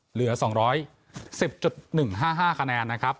เหลือสองร้อยสิบจุดหนึ่งห้าห้าคะแนนนะครับ